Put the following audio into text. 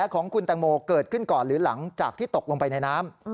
ของคุณแตงโมเกิดขึ้นก่อนหรือหลังจากที่ตกลงไปในน้ำ